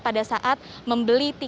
pada saat membeli tiket drive in konser ini